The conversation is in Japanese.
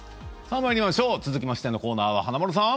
続きましてのコーナーは華丸さん。